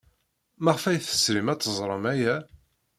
Maɣef ay tesrim ad teẓrem aya?